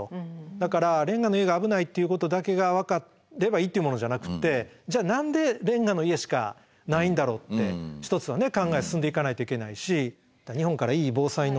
だからレンガの家が危ないっていうことだけが分かればいいっていうものじゃなくてじゃあ何でレンガの家しかないんだろうって一つは考え進んでいかないといけないし。